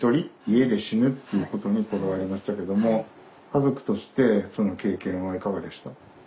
家で死ぬっていうことにこだわりましたけども家族としてその経験はいかがでした？